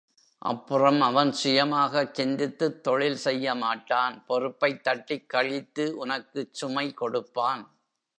அப்புறம் அவன் சுயமாகச் சிந்தித்துத் தொழில் செய்யமாட்டான் பொறுப்பைத் தட்டிக் கழித்து உனக்குச் சுமை கொடுப்பான்.